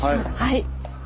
はい。